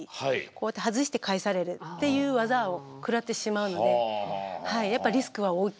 こうやって外して返されるっていう技を食らってしまうのでやっぱリスクは大きいとは思います。